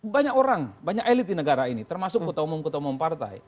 banyak orang banyak elit di negara ini termasuk kota umum kota umum partai